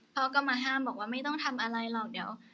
พ่อก็มาห้ามบอกว่าไม่ต้องทำอะไรหรอกเดี๋ยว